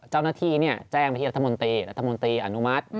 เจ้าหน้าที่แจ้งไปที่รัฐมนตรีรัฐมนตรีอนุมัติ